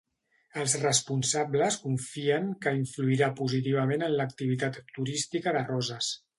Els responsables confien que influirà positivament en l'activitat turística de Roses.